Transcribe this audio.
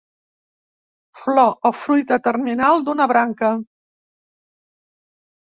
Flor o fruita terminal d'una branca.